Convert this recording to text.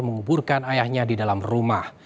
menguburkan ayahnya di dalam rumah